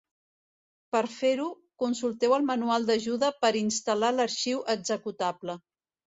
Per fer-ho, consulteu el Manual d'ajuda per instal·lar l'arxiu executable.